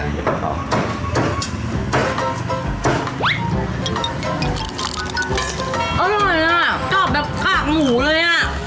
อร่อยอ่ะกรอบแบบขากหมูเลยอ่ะ